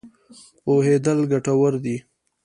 پوهېدل ګټور دی.